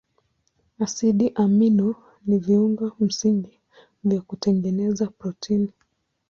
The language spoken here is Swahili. Asidi amino ni viungo msingi vya kutengeneza protini.